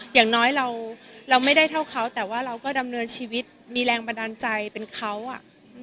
อย่างน้อยเราไม่ได้เท่าเขาแต่ว่าเราก็ดำเนินชีวิตมีแรงบันดาลใจเป็นเขาอ่ะ